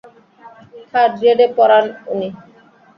Third গ্রেডে পড়ান উনি!